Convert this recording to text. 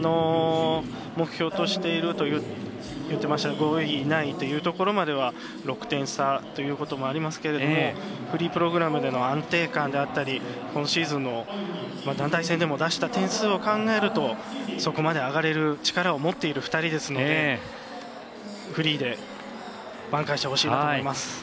目標としていると言ってました５位以内というところまでは６点差ということもありますけどフリープログラムでの安定感であったり今シーズンの団体戦でも出した点数を考えるとそこまで上がれる力を持っている２人ですのでフリーで、挽回してほしいなと思います。